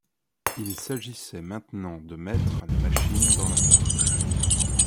Il s’agissait maintenant de mettre la machine dans la barque.